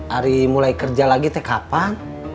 hari mulai kerja lagi teh kapan